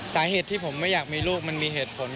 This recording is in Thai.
สาเหตุที่ผมไม่อยากมีลูกมันมีเหตุผล